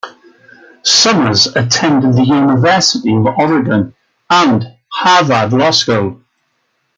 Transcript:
Summers attended the University of Oregon and Harvard Law School.